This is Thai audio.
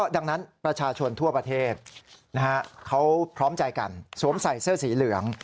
ดังนั้นประชาชนทั่วประเทศเขาพร้อมใจกันสวมใส่เสื้อสีเหลือง